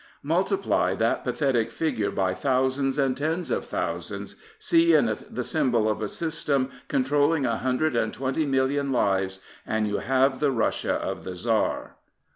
Multiply that pathetic figure by thousands and tens of thousands, see in it the symbol of a system con trolling a hundred and twenty million lives, and you have the Russia of the Tsar.